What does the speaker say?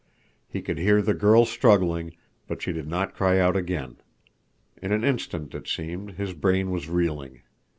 He could hear the girl struggling, but she did not cry out again. In an instant, it seemed, his brain was reeling.